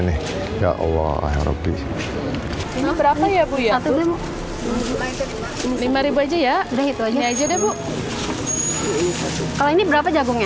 nih ya allah ya rabbi ini berapa ya buya lima aja ya deh aja deh bu kalau ini berapa jagungnya